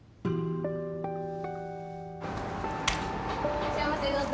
いらっしゃいませどうぞ。